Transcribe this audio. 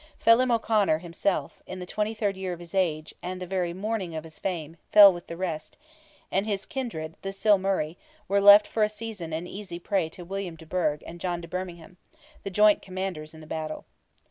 Felim O'Conor himself, in the twenty third year of his age, and the very morning of his fame, fell with the rest, and his kindred, the Sil Murray, were left for a season an easy prey to William de Burgh and John de Bermingham, the joint commanders in the battle.